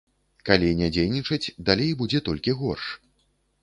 Калі не дзейнічаць, далей будзе толькі горш.